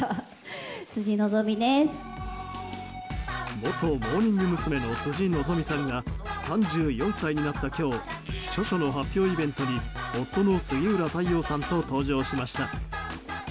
元モーニング娘。の辻希美さんが３４歳になった今日著書の発表イベントに夫の杉浦太陽さんと登場しました。